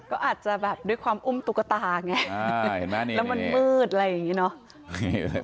ก็อาจจะแบบด้วยความอุ้มตุ๊กตาไงเห็นไหมแล้วมันมืดอะไรอย่างนี้เนอะ